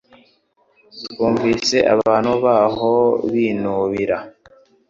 twumvise abantu baho binubira